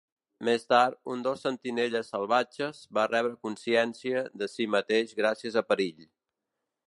Més tard, un dels Sentinelles Salvatges va rebre consciència de si mateix gràcies a Perill.